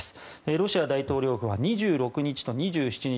ロシア大統領府は２６日と２７日